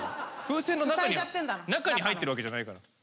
風船の中に入ってるわけじゃないから。